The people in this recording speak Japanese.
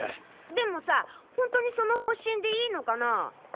でもさほんとにその方針でいいのかな？